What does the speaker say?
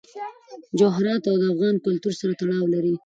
جواهرات د افغان کلتور سره تړاو لري.